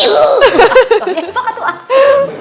nih sok tuh ah